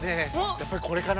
やっぱりこれかな。